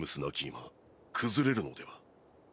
今崩れるのでは。